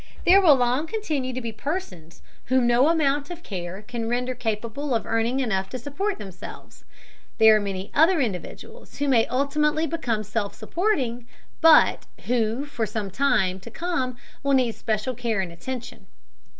There will long continue to be persons whom no amount of care can render capable of earning enough to support themselves. There are many other individuals who may ultimately become self supporting, but who for some time to come will need special care and attention.